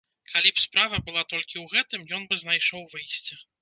Калі б справа была толькі ў гэтым, ён бы знайшоў выйсце.